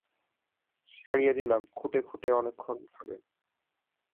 ছড়িয়ে দিলাম, খুঁটে খুঁটে অনেকক্ষণ খাবে।